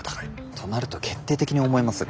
となると決定的に思えますが。